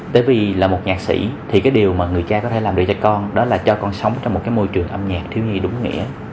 bởi vì là một nhạc sĩ thì cái điều mà người cha có thể làm được cho con đó là cho con sống trong một cái môi trường âm nhạc thiếu nhi đúng nghĩa